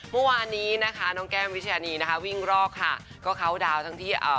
เมื่อวานนี้นะคะน้องแก้มวิชานีนะคะวิ่งรอกค่ะก็เขาดาวน์ทั้งที่อ่า